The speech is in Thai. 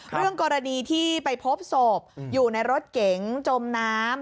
เรื่องกรณีที่ไปพบศพอยู่ในรถเก๋งจมน้ำ